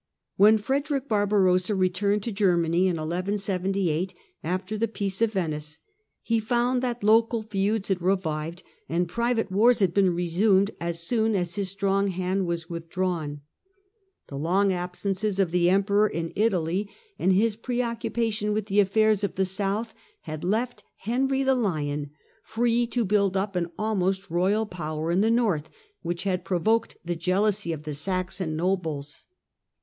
When Frederick Barbarossa returned to Germany in 1178, after the Peace of Venice, he found that local feuds had revived and private wars had been resumed as soon as his strong hand was withdrawn. The long absences FREDERICK I. AND THE LOMBARD COMMUNES 167 of the Emperor in Italy, and his preoccupation with the affairs of the south, had left Henry the Lion free to build Growth of up an almost royal power in the north, which had pro of Henry yoked the jealousy of the Saxon nobles.